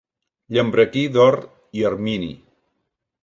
Llambrequí d'or i ermini.